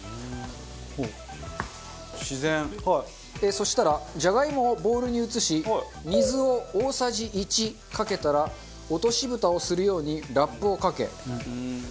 そしたらジャガイモをボウルに移し水を大さじ１かけたら落とし蓋をするようにラップをかけ。